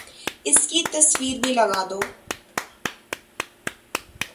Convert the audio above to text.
اس کی تصویر بھی لگا دو